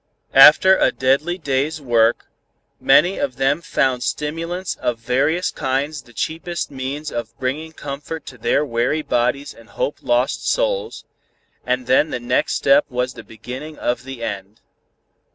After a deadly day's work, many of them found stimulants of various kinds the cheapest means of bringing comfort to their weary bodies and hope lost souls, and then the next step was the beginning of the end.